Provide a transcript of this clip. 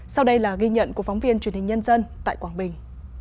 sau đây là ghi nhận của phóng viên truyền hình nhân dân tại quảng bình